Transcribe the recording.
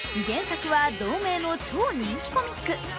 原作は同名の超人気コミック。